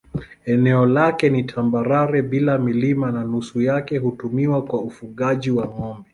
Eneo lake ni tambarare bila milima na nusu yake hutumiwa kwa ufugaji wa ng'ombe.